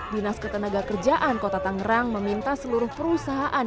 dinas ketenaga kerjaan kota tangerang meminta seluruh perusahaan